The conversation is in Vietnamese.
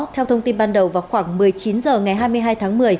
theo thông tin ban đầu vào khoảng một mươi chín h ngày hai mươi hai tháng một mươi